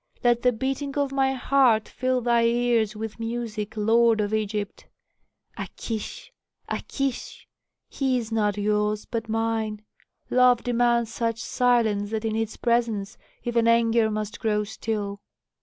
Let the beating of my heart fill thy ears with music, lord of Egypt. A kish! a kish! he is not yours, but mine. Love demands such silence that in its presence even anger must grow still."